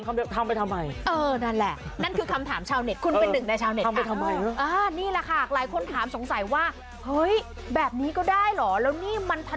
ก็ออกให้นางบดน้ำ